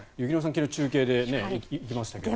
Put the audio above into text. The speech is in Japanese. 昨日、中継で行きましたけど。